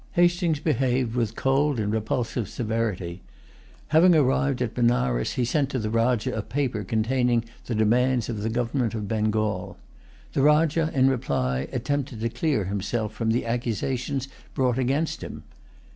Hastings behaved with cold and repulsive severity. Having arrived at Benares, he sent to the Rajah a paper containing the demands of the government of Bengal. The Rajah, in reply, attempted to clear himself from the accusations brought against him.